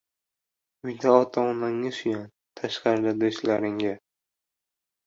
• Uyda ota-onagga suyan, tashqarida — do‘stlaringga.